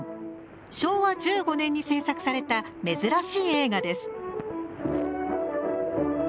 昭和１５年に製作された珍しい映画です。